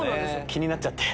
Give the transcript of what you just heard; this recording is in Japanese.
気になっちゃって。